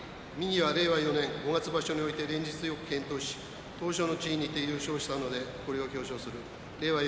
令和４年五月場所において連日よく健闘し頭書の地位にて優勝したのでこれを表彰する令和